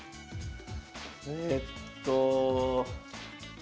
えっと。